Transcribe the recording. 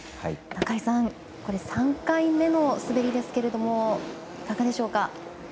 中井さん、３回目の滑りですけどもいかがでしょうか。